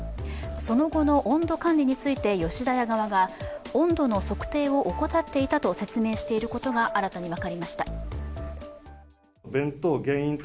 その後の温度管理について吉田屋側が温度の測定を怠っていたと説明していることが新たに分かりました。